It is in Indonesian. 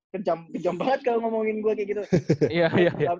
kejam banget kalau ngomongin gue kayak gitu